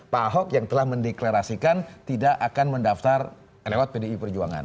pak ahok yang telah mendeklarasikan tidak akan mendaftar lewat pdi perjuangan